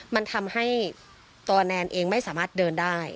มันทำให้ตัวแนนเองไม่สามารถเดินได้